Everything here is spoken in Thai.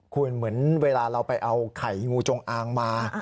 คุณเหมือนเวลาเราไปเอาไข่งูจงอางมา